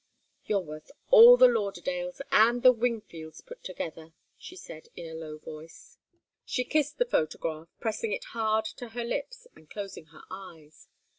"You're worth all the Lauderdales and the Wingfields put together!" she said, in a low voice. She kissed the photograph, pressing it hard to her lips and closing her eyes.